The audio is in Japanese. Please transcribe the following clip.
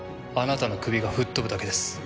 あなたの首が吹っ飛ぶだけです。